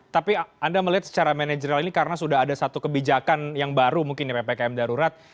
tapi anda melihat secara manajerial ini karena sudah ada satu kebijakan yang baru mungkin ya ppkm darurat